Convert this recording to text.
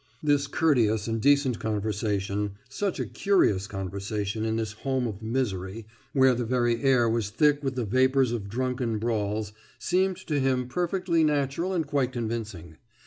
This courteous and decent conversation, such a curious conversation in this home of misery where the very air was thick with the vapours of drunken brawls, seemed to him perfectly natural and quite convincing.